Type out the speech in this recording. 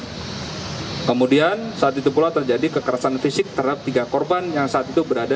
hai kemudian saat itu pula terjadi kekerasan fisik terhadap tiga korban yang saat itu berada